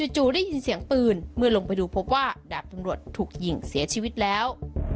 จู่ได้ยินเสียงปืนเมื่อลงไปดูพบว่าดาบตำรวจถูกยิงเสียชีวิตแล้ว